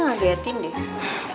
nggak ada yatim deh